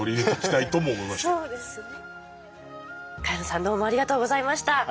萱野さんどうもありがとうございました。